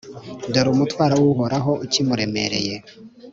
dore umutwaro w’Uhoraho ukimuremereye;